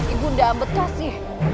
ibu nanda ambetrasi